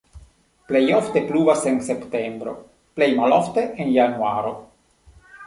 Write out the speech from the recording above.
Plej ofte pluvas en septembro, plej malofte en januaro.